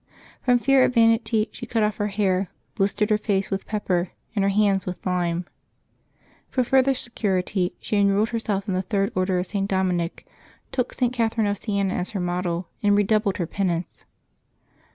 From fear of vanity she cut off her hair, blistered her face with pepper and her hands with lime. For further security she enrolled her self in the Third Order of St. Dominic, took St. Catherine of Siena as her model, and redoubled her penance.